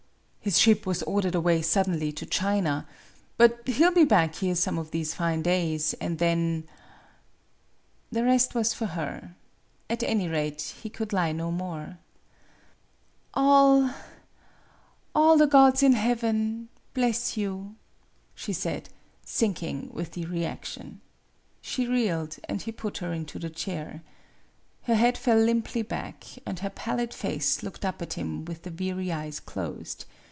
" His ship was ordered away suddenly to China; but he '11 be back here some of these fine days, and then " The rest was for her. At any rate, he could lie no more. " All all the gods in heaven bless you," she said, sinking with the reaction. MADAME BUTTERFLY 79 She reeled, and he put her into the chair. Her head fell limply back, and her pallid face looked up at him with the weary eyes closed.